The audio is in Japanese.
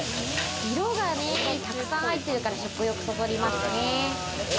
色がね、たくさん入ってるから食欲そそりますね。